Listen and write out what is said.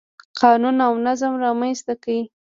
قانون او نظم رامنځته کړ.